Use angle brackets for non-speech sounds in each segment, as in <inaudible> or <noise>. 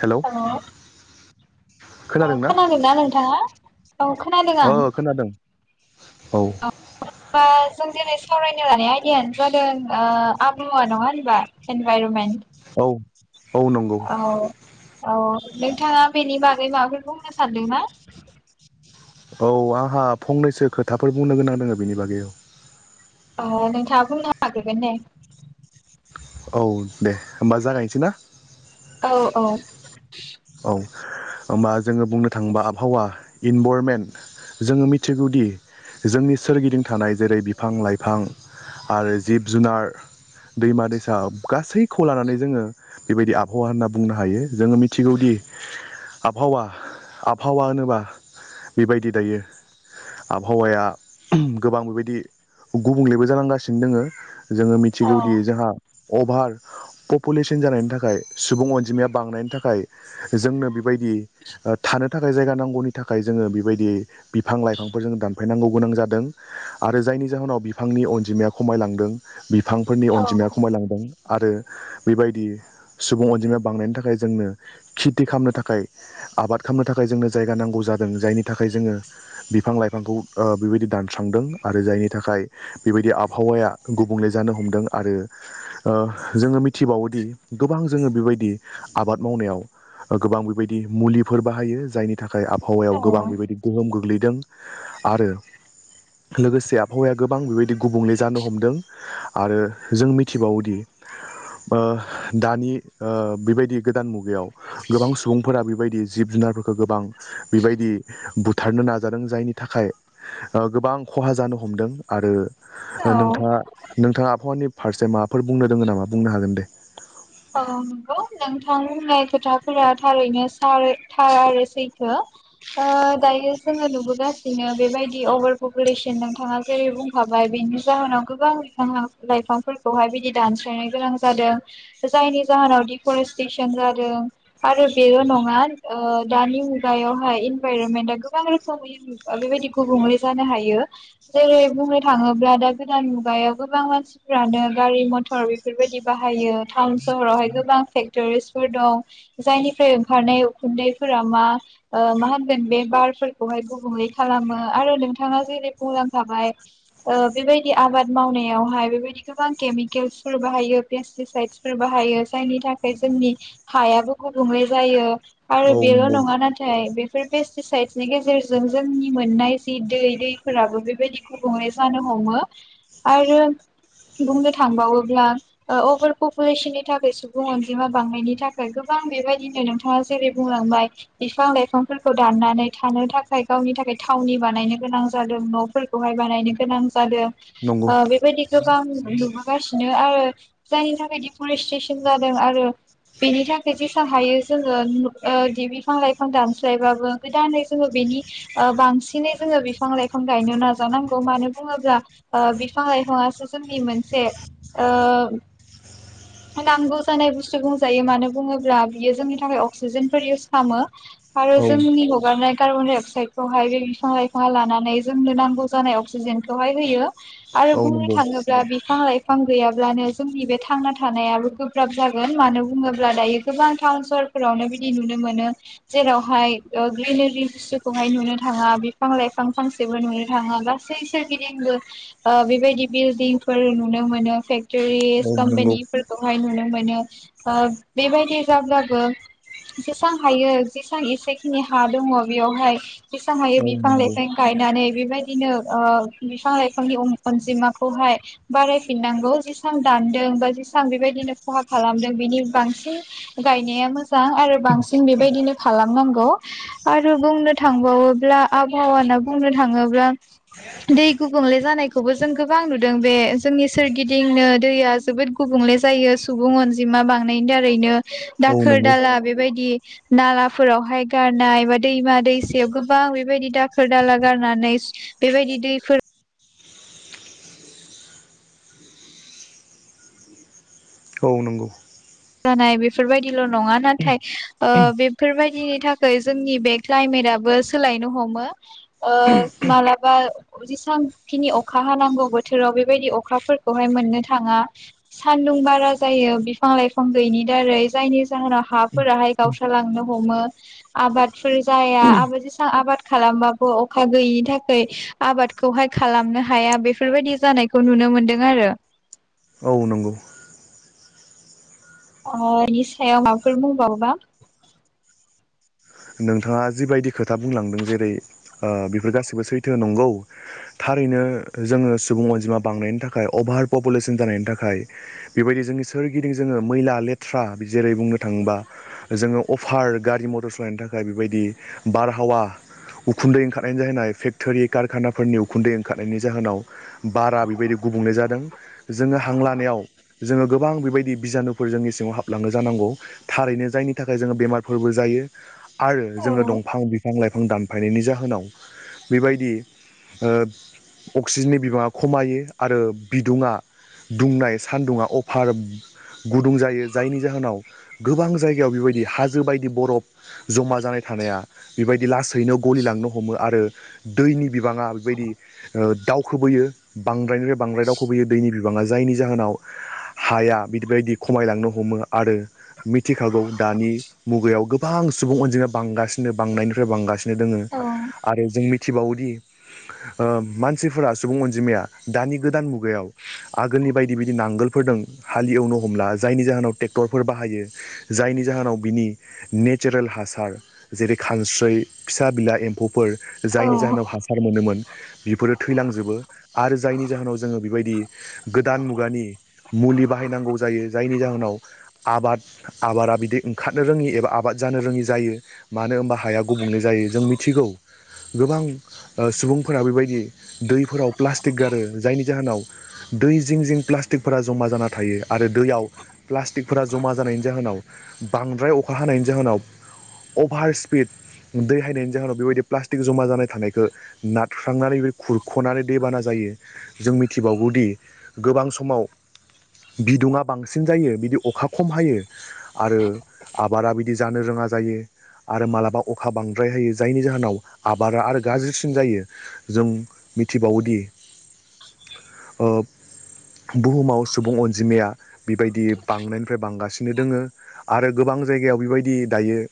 Hello अ खोनादोंना नोंथाङा? औ खोनादों ओ आं। खोनादों औ। ओ जों दिनै सावरायनो लानाय आयदायानो जादों ओ आबहावा नङा होनबा एनभाइरमेन्ट। औ औ नंगौ औ नोंथांङा बेनि बागै माबाफोर बुंनो सानदोंना। औ आंहा फंनैसो खोथाफोर बुंनो गोनां दंङो बेनि बागै औ औ नोंथांङा बुंनो हागोन दे औ दे होमबा जागायनोसै ना? औ औ औ होमबा जोंङो बुंनो थांङोबा आबहावा इनभरमेन्ट जोंङो मिथिगौदि जोंनि सोरगिदिं थानाय जेरै बिफां-लाइफां आरो जिब-जुनार, दैमा-दैसा गासैखौ लानानै जोंङो बेबायदि आबहावा होनना बुंनो हायो जोंङो मिथि सिगौदि आबहावा आबहावा होनोबा बेबायदि दायो आबहावाया गोबां बेबायदि गुबुंलेबो जानांगासिनो दोंङो। जोंङो औ मिथिगौदि जोंहा अभार पपुलेसन जानायनि थाखाय सुबुं अनजिमाया बांनायनि थाखाय जोंनो बेबायदि ओ थानो थाखाय जायगा नांगौनि थाखाय जोंङो बेबायदि बिफां-लाइफांफोर जों दानफायनांगौ गोनां जादों आरो जायनि जाहोनाव बिफांनि अनजिमाया खमायलांदों। बिफांफोरनि औ अनजिमाया खमायलांदों। आरो बेबायदि सुबुं अनजिमाया बांनायनि थाखाय जोंनो खेथि खालामनो थाखाय आबाद खालामनो थाखाय जोंनो जायगा नांगौ जादों। जायनि थाखाय जोंङो बिफां- लाइफांखौ ओ बेबायदि दानस्रांदों आरो जायनि थाखाय बेबायदि आबहावाया गुबुंले जानो हमदों। आरो जोंङो मिथिबावोदि गोबां जोंङो। बेबायदि आबाद मावनायाव गोबां बेबायदि मुलिफोर बाहायो जायनि था आबहावायाव गोबां बेबायदि गोहोम गो गोग्लैदों आरो लोगोसे आबहावाया गोबां बेबायदि गुबुंले जानो हमदों आरो जों मिथिबावोदि ओ दानि ओ बेबायदि गोदान मुगायाव गोबां सुबुंफोरा बेबायदि जिब-जुनारफोरखौ गोबां बेबायदि बुथारनो नाजादों जायनि थाखाय ओ गोबां खहा जानो हमदों आरो औ ओ नोंथांङा नोंथाङा आबहावानि फार्से माबाफोर बुंनो दोङो नामा बुंनो हागोन दे। औ नंगौ नोंथां बुंनाय खोथाफोरा थारैनो सा थार आरो सैथो। दायो जोङो नुबोगासिनो बेबायदि अभार पपुलेसन नोंथाङा जेरै बुंखाबाय बेनि जाहोनाव गोबां बिा लाइफांफोरखौहाय बिदि दानस्रायनो गोनां जादों। जायनि जाहोनाव दि करेस्टेसन जादों। आरो बेल' नङा ओ दानि मुगायावहाय इनभायरनमेन्टआ गोबां रोखोमनि बेबायदि गुबुंले जानो हायो। जेरै बुंनो थाङोब्ला दा गोदान मुगायाव गोबां मानसिफ्रानो गारि मथर बेफोरबायदि बाहायो। टाउन सहरावहाय गोबां फेक्टरिसफोर दं। जायनिफ्राय ओंखारनाय उखुन्दैफोरा मा ओ मा होनगोन बे बारफोरखौहाय गुबुंले खालामो। आरो नोंथाङा जेरै बुंलांखाबाय ओ बेबायदि आबाद मावनायावहाय बेबायदि गोबां केमिकेल्सफोर बाहायो पेसरिससायद फोर बाहायो जायनि थाखाय जोंनि हायाबो गुबुंले जायो। आरो औ बेल' नङा नाथाय बे पेरपेस्टिसायदनि गेजेरजों जोंनि मोननाय जि दै दैफोराबो बेबायदि गुबुंले जानो हमो। आरो बुंनो थांबावोब्ला ओ अबार खुख बैसोरनि थाखाय सुबुं अनजिमा बांनायनि थाखाय गोबां बेबायदिनो नोंथाङा जेरै बुंलांबाय बिफां लाइफांफोरखौ दाननानै थानो थाखाय गावनि थाखाय थावनि बानायनो गोनां जादों, न'फोरखौहाय बानायनो गोनां जादों। नंगौ ओ बे बायदिखौ गोबां नुबोगासिनो आरो जायनि थाखाय दि परिस्टेसन जादों आरो बेनि थाखाय जेसां हायो जोङो ओ दि बिफां लाइफां दानस्लायबाबो गोदानै जोङो बेनि ओ बांसिनै जोङो बिफां लाइफां गायनो नाजानांगौ मानो बुङोब्ला ओ बिफां लाइफाङासो जोंनि मोनसे ओ नांगौ जानाय बुस्थु बुंजायो। मानो बुङोब्ला बियो जोंनि थाखाय अक्सिजेन फोर इउस खामो। आरो औ जोंनि हगारनाय कार्बन डाइ अक्साइदखौहाय बे बिफां लाइफाङा लानानै जोंनो नांगौ जानाय अक्सिजेनखौहाय होयो। आरो औ बुंनो नंगौ थाङोब्ला बिफां लाइ फां गैयाब्लानो जोंनि बे थांना थानायाबो गोब्राब जागोन। मानो बुङोब्ला दायो गोबां टाउन सहरफोरावनो बिदि नुनो मोनो जेरावहाय ओ ग्रिनेरि बुस्तुखौहाय नुनो थाङा बिफां लाइफां फांसेबो नुनो थाङा। गासै सोरगिदिंबो ओ बेबायदि बिलडिंफोर नुनो मोनो फेख टुरिस औ नंगौ कमपानि फोरखौहाय नुनो मोनो। ओ बेबायदि जाब्लाबो जेसां हायो जेसां एसेखिनि हा दङ बेयावहाय जेसां हायो औ बिफां नंगौ लाइफां गायनानै बेबायदिनो ओ बिफां लाइफांनि अन-अनजिमाखौहाय बारायफिननांगौ जेसां दानदों बा जेसे बां बेबायदिनो खहा खालामदों। बेनि बांसिन गायनाया मोजां आरो बांसिन बेबायदिनो खालामनांगौ आरो बुंनो थांबावोब्ला आबहावा होना बुंनो थाङोब्ला दै गुबुंले जानायखौबो जों गोबां नुदों। बे जोंनि सोरगिदिंनो दैया जोबोद गुबुंले जायो सुबुं अनजिमा बांनायनि दारैनो। औ दाखोर नंगौ दाला बेबायदि नालाफोरावहाय गारनाय बा दैमा दैसायाव गोबां बेबायदि दाखोर दाला गारनानै बेबायदि दैफोर औ नंगौ जानाय बेफोरबायदिल' नङा नाथाय ओ बेफोरबायदिनि थाखाय जोंनि बे क्लाइमेराबो सोलायनो हमो। ओ मालाबा जेसांखिनि अखा हानांगौ बोथोराव बेबायदि अखाफोरखौहाय मोननो थाङा। सान्दुं बारा जायो बिफां लाइफ फां गैयिनि दारै जायनि जाहोनाव हाफोराहाय गावस्रालांनो हमो, आबादफोर जाया। आबाद जेसां आबाद खालामबाबो अखा गैयिनि थाखाय आबादखौहाय खालामनो हाया बेफोर बायदि जानायखौ नुनो मोनदों आरो औ नंगौ अ' इनि सायाव माबाफोर बुंबावोबा नोंथाङा जिबायदि खोथा बुंलांदों। जेरै ओ बेफोर गासिबो सैथो नंगौ। थारैनो जोङो सुबुं अनजिमा बांनायनि थाखाय अभार पपुलेसन जानायनि थाखाय बेबायदि जोंनि सोरगिदिं जोङो मैला लेथ्रा जेरै बुंनो थाङोबा जोङो अफार गारि मटर सालायनो था खाय बेबायदि बारहावा उखुन्दै ओंखारनायनि जाहोन फेक्टरि कारखानाफोरनि उखुन्दै ओंखारनायनि जाहोनाव बारा बेबायदि गुबुंले जादों। जोङो हांलानायाव जोङो गोबां बेबायदि बिजानुफोर जोंनि सिङाव हाबलाङो जानांगौ थारैनो जायनि थाखाय जोङो बेमारफोरबो जायो। आरो जोङो दंफां बिफ फां लाइफां दानफायनायनि जाहोनाव बेबायदि ओ अक्सिजेननि बिबाङा खमायो। आरो बिदुङा दुंनाय सानदुङा अफार गुदुं जायो। जायनि जाहोनाव गोबां जायगायाव बेबायदि हाजो बायदि बरफ ज'मा जानाय थानाया बेबायदि लासैनो गलिलांनो हमो आरो दैनि बिबाङा बेबायदि ओ दावखोबोयो बांद्रायनिफ्राय बांद्राय दावखोबोयो दैनि बिबाङा जायनि जाहोनाव हाया बिबायदि खमायलांनो हमो। आरो मिथिखागौ दानि मुगायाव गोबां सुबुं अनजिमाया बांगासिनो बांनायनिफ्राय बांगासिनो दोङो। आरो जों मिथिबावोदि ओ मानसिफोरा सुबुं अनजिमाया दानि गोदान मुगायाव आगोलनि बायदि बिदि नांगोलफोर हालएवनो हमला। जायनि जाहोनाव ट्रेक्टरफोर बाहायो जायनि जाहोनाव बिनि नेट सारेल हासार जेरै खानस्रै फिसा बिला एम्फौफोर जायनि औ जाहोनाव हासार ओ नुनोमोन बेफोरो थैलांजोबो आरो जायनि जाहोनाव जोङो बेबायदि गोदान मुगानि मुलि बाहायनांगौ जायो जायनि जाहोनाव आबाद आबादा बिदि ओंखारनो रोङि एबा आबाद जानो रोङि जायो मानो होनबा हाया गुबुंले जायो जों मिथिगौ गोबां ओ सुबुंफोरा बेबायदि दैफोराव प्लास्टिक गारो जायनि जाहोनाव दै जिं जिं प्लास्टिकफोरा जमा जाना थायो आरो दैयाव प्लास्टिकफोरा जमा जानायनि जाहोनाव बांद्राय अखा हानायनि जाहोनाव अभार स्पिड दै हायनायनि जाहोनाव बेबायदि प्लास्टिक जमा जानाय थानायखो नारख्रांनानै है खुरख'नानै दैबाना जायो जों मिथिबावगौदि गोबां समाव बिदुङा बांसिन जायो बिदि अखा खम हायो आरो आबादा बिद नि जानो रोङा जायो आरो मालाबा अखा बांद्राय हायो जायनि जाहोनाव आबाद आरो गाज्रिसिन जायो जों मिथिबावो दि ओ बुहुमाव सुबुं अनजिमाया बिबायदि बांनायनिफ्राय बांगासिनो दोङो आरो जायगायाव बेबायद दि दायो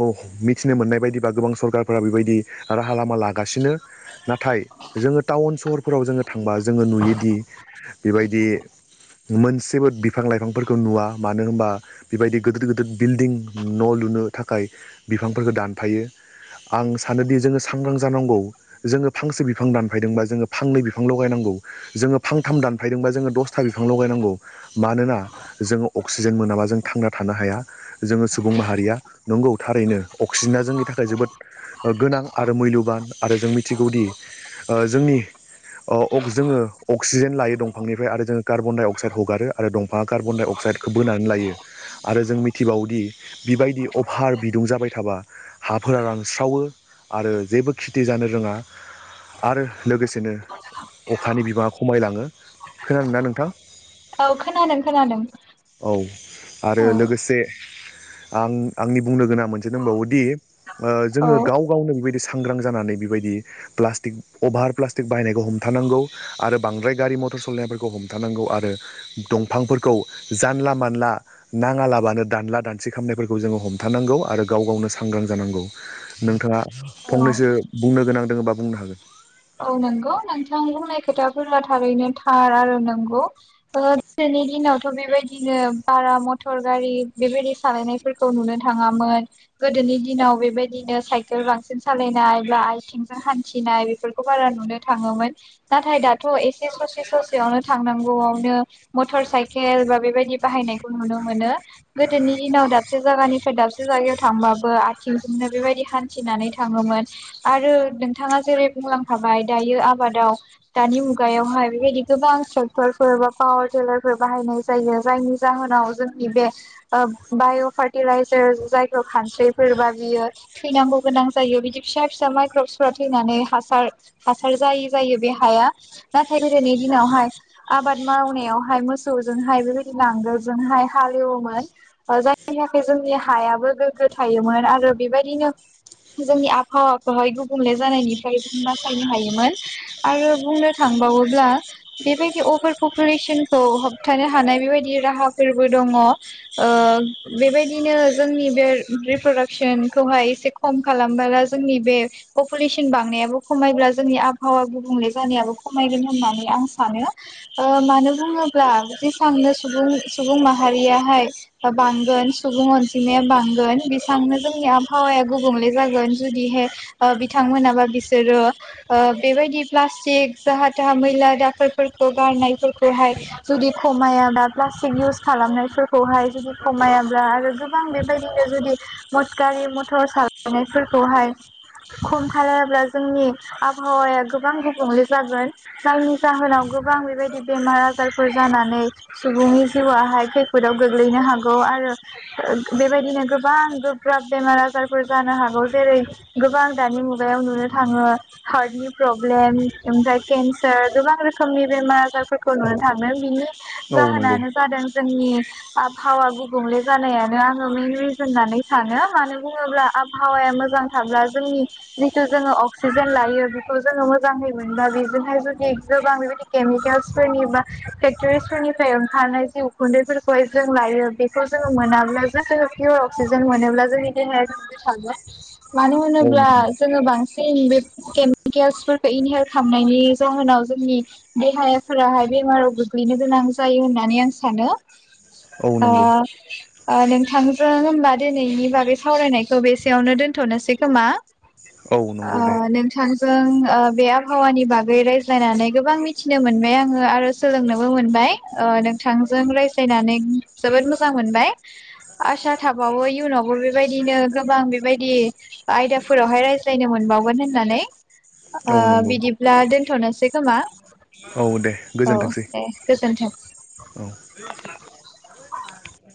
अ मिथिनो मोननाय बायदिबा गोबां सरखारफोरा बेबायदि राहा लामा लागासिनो नाथाय जोङो टाउन सहरफोराव जोङो थांबा जोङो नुयोदि बेबायदि मोनसेबो बिफां लाइफांफोरखौ नुवा मानो होनबा बेबायदि गोदोर गोदोर बिल्डिं न' लुनो थाखाय बिफांफोरखो दानफायो आं सानोदि जोङो सांग्रां जानांगौ जोङो फांसे बिफां दानफायदोंबा जोङो फांनै बिफां लगायनांगौ जोङो फांथाम दानफायदोंबा जोङो दसथा बिफां लगायनांगौ मानोना जोङो अक्सिजेन मोनाबा जों थांना थानो हाया जोङो स सुबुं माहारिया नंगौ थारैनो अक्सिजेना जोंनि थाखाय जोबोद ओ गोनां आरो मैल्यबान आरो जों मिथिगौदि ओ जोंनि अ जोङो अक्सिजेन लायो दंफांनिफ्राय आरो जोङो कार्बन डाइ अक्साइड हगारो आरो दंफाङा कार्बन डाइ अक्साइडखौ बोनानै लायो आरो जों मिथिबावोदि बिबायदि अभार बिदुं जाबाय थाबा हाफोरा रानस्रावो आरो जेबो खेथि जानो रोङा आरो लोगोसेनो अखानि बिबाङा खमायलाङो। खोनादोंना नोंथां? औ खोनादों खोनादों। औ आरो लोगोसे आं आंनि बुंनो गोनां मोनसे दंबावोदि ओ औ जोङो गाव गावनो बेबायदिस सांग्रां जानानै बेबायदि प्लास्टिक अभार प्लास्टिक बाहायनायखौ हमथानांगौ आरो बांद्राय गारि मथर सलायनायफोरखौ हमथानांगौ आरो दंफांफोरखौ जानला मानला नाङालाबानो दानला दान सि खामनायफोरखौ जोङो हमथानांगौ आरो गाव गावनो सांग्रां जानांगौ नोंथाङा औ फंनैसो बुंनो गोनां दोङोबा बुंनो हागोन? औ नंगौ नोंथां बुंनाय खोथाफोरा थारैनो थार आरो नंगौ ओद गोदोनि दिनावथ' बेबायदिनो बारा मथर गारि बेबायदि सालायनायफोरखौ नुनो थाङामोन गोदोनि दिनाव बेबायदिनो साइकेल बांसिन सालायनाय बा आयथिंजों हान्थिनाय बेफ फोरखौ बारा नुनो थाङोमोन नाथाय दाथ' एसे ससे ससेयावनो थांनांगौआवनो मथर साइकेल बा बेबायदि बाहायनायखौ नुनो मोनो गोदोनि दिनाव दाबसे जागानिफ्राय दाबसे जायगायाव थांबाबो आथिंजोंनो बेबायदि हान्थिनानै थाङोमोन आरो नोंथाङा जेरै बुंलांखाबाय दायो आबादाव दानि मुगायावहाय बेबायदि गोबां ट्रेक्टरफोर बा पावार टिलारफोर बाहायनाय जायो जायनि जाहोनाव जोंनि बे ओ बाय' फारटिलाइजार जायखौ खानस्रिफोरबा बियो थैनांगौ गोनां जायो बिदि फिसा फिसा माइक्रपसफोरा थैनानै हास सार हासार जायो जायो बे हाया नाथाय गोदोनि दिनावहाय आबाद मावनायावहाय मोसौजोंहाय बेबायदि नांगोलजोंहाय हालेवोमोन ओ जायनि थाखाय जोंनि हायाबो गोग्गो थायोमोन आरो बेबायदिनो जोंनि आबहावाखौहाय गुबुंले जानायनिफ्राय जो बासायनो हायोमोन आरो बुंनो थांबावोब्ला बेबायदि अभार पपुलेसनखौ होबथानो हानाय बेबायदि राहाफोरबो दङ ओ बेबायदिनो जोंनि बे रिप्रडाक्सनखौहाय एसे खम खालामबोला जोंनि बे पपुलेसन बांनायाबो खमायब्ला जोंनि आबहावा गुबुंले जानायाबो खमायगोन होननानै आं सानो ओ मानो बुङोब्ला जेसांनो सुबुं सुबुं माहारियाहाय ओ बांगोन सुबुं अनजिमाया बांगोन बेसांनो जोंनि आबहावाया गुबुंले जागोन जुदिहाय ओ बिथांमोनाबा बिस सोरो ओ बेबायदि प्लास्टिक जाहा थाहा मैला दाखोरफोरखौ गारनायफोरखौहाय जुदि खमायाब्ला प्लास्टिक इउस खालामनायफोरखौहाय जुदि खमायाब्ला आरो गोबां बेबायदिनो जुदि मथ गारि मथर सालायनायफोरखौहाय खम खालामब्ला ज जोंनि आबहावाया गोबां गुबुंले जागोन जायनि जाहोनाव गोबां बेबायदि बेमार आजारफोर जानानै सुबुंनि जिवाहाय खैफोदाव गोग्लैनो हागौ आरो ओ गो बेबायदिनो गोबां गोब्राब बेमार आजारफोर जानो हागौ जेरै गोबां दानि मुगायाव नुनो थाङो हार्टनि प्रब्लेम ओमफ्राय केन्सार गोबां रोखोमनि बेमार आजारफोरखौ नुनो थाङो बिनि औ नंगौ जाहोनानो जादों जोंनि आबहावा गुबुंले जानायानो आङो मेन रिजोन होननानै सानो मानो बुङोब्ला आबहावाया मोजां थाब्ला जोंनि जिटु जोङो अक अक्सिजेन लायो बेखौ जोङो मोजाङै मोनोबा बेजोंहाय जुदि गोबां बेबायदि केमिकेल्सफोरनि बा फेक्ट'रिसफोरनिफ्राय ओंखारनाय जि उखुन्दैफोरखौहाय जों लायो बेखौ जोङो मोनाब्ला <unintelligible> जिउआव पियर अक्सिजेन मोनोब्ला जोंनि देहाया थागोन मानो औ होनोब्ला नंगौ जोङो बांस जिं बेब केम कियेल्सफोरखो इनिहेल खामनायनि जाहोनाव जोंनि देहाफोराहाय बेमाराव गोग्लैनो गोनां जायो होननानै आं सानो औ ओ नंगौ ओ नोंथांजों होनबा दिनैनि बागै सावरायनायखौ बेसेयावनो दोनथ'नोसै खोमा? औ नंगौ दे ओ नोंथांजों ओ बे आबहावानि बागै रायज्लायनानै गोबां मिथिनो मोनबाय आङो आरो सोलोंनोबो मोनबाय ओ नोंथांजों रायज्लायनानै जोबोद मोजां मोनबाय आसा थाबावो इयुनावबो बेबायदिनो गोबां बेबायदि आयदाफोरावहाय रायज जायनो मोनबावगोन होननानै ओ औ नंगौ बिदिब्ला दोन थ'नोसै खोमा औ दे औ गोजोनथोंसै दे गोजोनथों। औ <unintelligible>